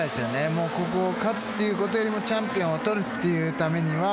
もうここを勝つということよりもチャンピオンをとるっていうためには。